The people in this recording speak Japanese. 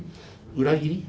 裏切り。